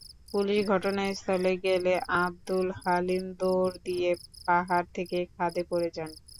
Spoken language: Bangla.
পুলিশ ঘটনাস্থলে গেলে আবদুল হালিম দৌড় দিয়ে পাহাড় থেকে খাদে পড়ে যান।